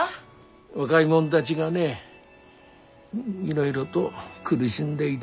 若い者だぢがねいろいろど苦しんでいで。